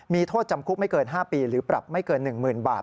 มีโทษจำคุกไม่เกิน๕ปีหรือปรับไม่เกิน๑๐๐๐บาท